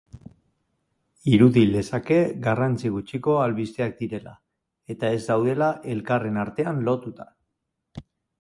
Irudi lezake garrantzi gutxiko albisteak direla, eta ez daudela elkarren artean lotuta.